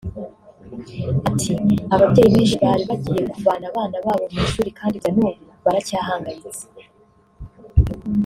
Ati”Ababyeyi benshi bari bagiye kuvana abana babo mu ishuri kandi kugeza n’ubu baracyahangayitse “